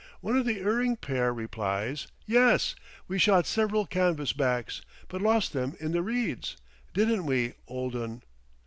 one of the erring pair replies, "Yes, we shot several canvas backs, but lost them in the reeds; didn't we, old un?"